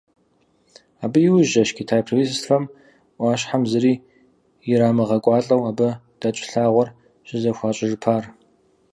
Абы иужькӀэщ Китай правительствэм Ӏуащхьэм зыри ирамыгъэкӀуалӀэу, абы дэкӀ лъагъуэр щызэхуащӀыжыпар.